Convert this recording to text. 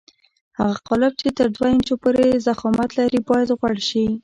هغه قالب چې تر دوه انچو پورې ضخامت لري باید غوړ شي.